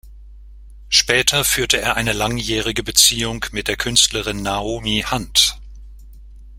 Später führte er eine langjährige Beziehung mit der Künstlerin Naomi Hunt.